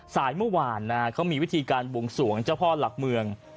สายเมื่อวานเขามีวิธีการบวงสวงเจ้าพ่อหลักเมือง